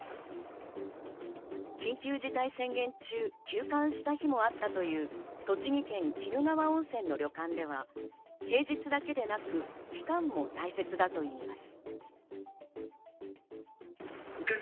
緊急事態宣言中、休館した日もあったという栃木県鬼怒川温泉の旅館では、平日だけでなく、期間も大切だといいます。